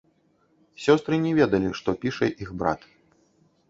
Сёстры не ведалі, што піша іх брат.